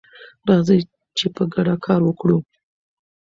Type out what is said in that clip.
راځئ چې په ګډه کار وکړو.